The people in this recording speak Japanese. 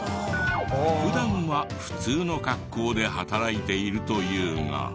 普段は普通の格好で働いているというが。